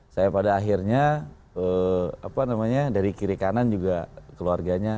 saya pada akhirnya apa namanya dari kiri kanan juga keluarganya